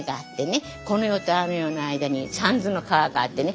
この世とあの世の間に三途の川があってね